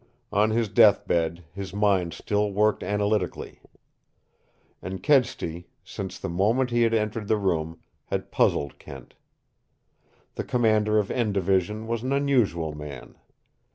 On his death bed his mind still worked analytically. And Kedsty, since the moment he had entered the room, had puzzled Kent. The commander of N Division was an unusual man.